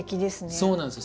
そうなんですよ。